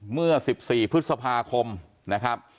เมื่อ๑๔พฤษภาคมนะครับ